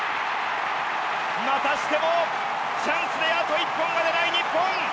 またしてもチャンスであと１本が出ない日本。